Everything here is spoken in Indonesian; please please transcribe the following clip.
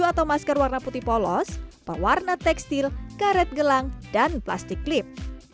atau masker warna putih polos pewarna tekstil karet gelang dan plastik klip